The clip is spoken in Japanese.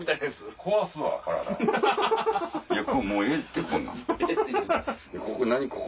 もうええってこんなん。